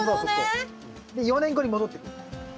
で４年後に戻ってくる。